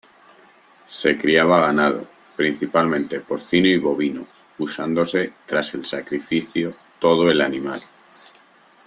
Se criaba ganado, principalmente porcino y bovino, usándose tras el sacrificio todo el animal.